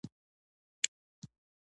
ډېره زیاته اندازه بوره.